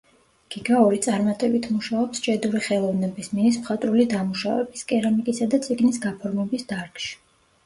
გიგაური წარმატებით მუშაობს ჭედური ხელოვნების, მინის მხატვრული დამუშავების, კერამიკისა და წიგნის გაფორმების დარგში.